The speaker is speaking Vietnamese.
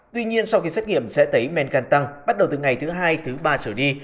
tuy nhiên sau khi xét nghiệm sẽ tấy men gan tăng bắt đầu từ ngày thứ hai thứ ba trở đi